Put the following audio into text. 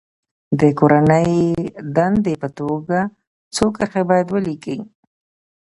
د کورنۍ دندې په توګه څو کرښې باید ولیکي.